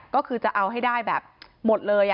ก็คือจะเอาให้ได้แบบหมดเลย